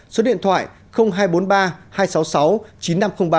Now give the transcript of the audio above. số điện thoại hai trăm bốn mươi ba hai trăm sáu mươi sáu chín nghìn năm trăm linh ba